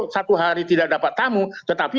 satu hari tidak dapat tamu tetapi